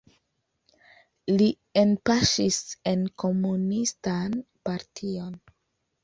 Li enpaŝis en komunistan partion.